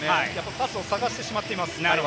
パスを探してしまっています。